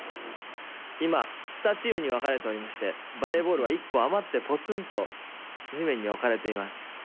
今、２チームに分かれておりまして、バレーボールは１個余って、ぽつんと地面に置かれています。